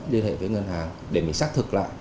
liên hệ với ngân hàng để mình xác thực lại